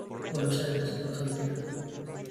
Buenos Aires, Argentina.